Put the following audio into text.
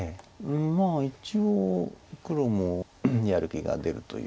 まあ一応黒もやる気が出るというか。